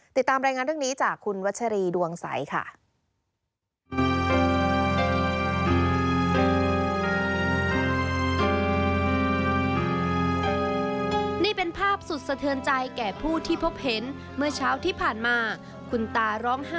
ติดตามรายงานเรื่องนี้จากคุณวัชรีดวงใสค่ะ